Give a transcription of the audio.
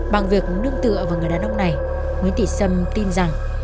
bằng việc nương tượng vào người đàn ông này nguyễn thị sâm tin rằng